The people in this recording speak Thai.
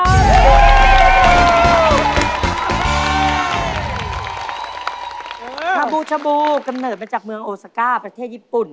คาบูชาบูกำเนิดมาจากเมืองโอซาก้าประเทศญี่ปุ่น